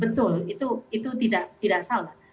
betul itu tidak salah